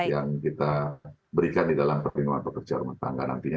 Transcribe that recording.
yang kita berikan di dalam perlindungan pekerja rumah tangga nantinya